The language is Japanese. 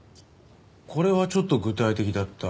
これはちょっと具体的だった。